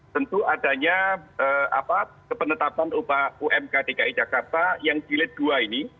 tentu adanya kepenetapan umk dki jakarta yang jilid dua ini